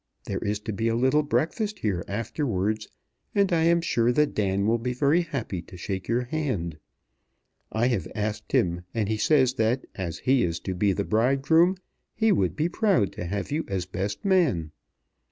There is to be a little breakfast here afterwards, and I am sure that Dan will be very happy to shake your hand. I have asked him, and he says that as he is to be the bridegroom he would be proud to have you as best man.